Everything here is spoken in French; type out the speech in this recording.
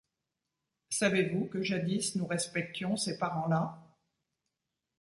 Savez-vous que jadis nous respections ces parents-là?